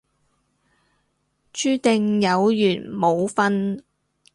注定有緣冇瞓